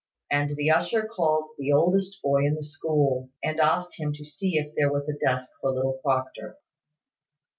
And the usher called the oldest boy in the school, and asked him to see if there was a desk for little Proctor.